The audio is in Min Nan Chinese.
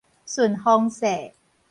順風勢